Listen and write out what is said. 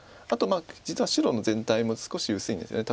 あと実は白の全体も少し薄いんです。